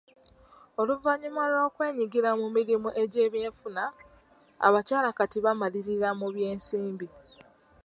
Oluvannyuma lw'okwenyigira mu mirimu gy'ebyenfuna, abakyala kati beemalirira mu byensimbi.